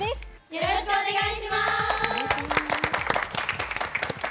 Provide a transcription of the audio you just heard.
よろしくお願いします。